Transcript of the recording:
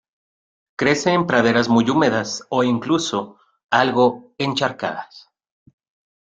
Crece en praderas muy húmedas o incluso algo encharcadas.